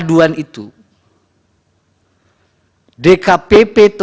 dari dari dari dari